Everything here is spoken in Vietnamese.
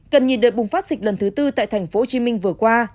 cần nhìn đợt bùng phát dịch lần thứ tư tại tp hcm vừa qua